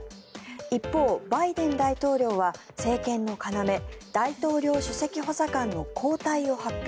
一方、バイデン大統領は政権の要大統領首席補佐官の交代を発表。